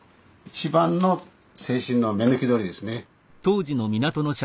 一番の清津の目抜き通りですね。